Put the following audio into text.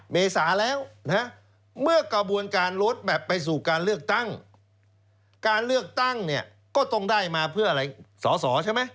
เมษาแล้วนะเมื่อกระบวนการลดแบบไปสู่การเลือกตั้งการเลือกตั้งเนี่ยก็ต้องได้มาเพื่ออะไรสอสอใช่ไหม